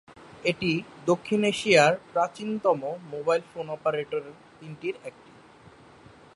এটি দক্ষিণ এশিয়ার প্রাচীনতম মোবাইল ফোন অপারেটর তিনটির একটি।